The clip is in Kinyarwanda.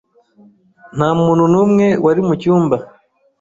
Nta muntu n'umwe wari mu cyumba.